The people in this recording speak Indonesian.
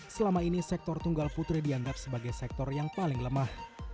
selama ini sektor tunggal putri dianggap sebagai sektor yang paling lemah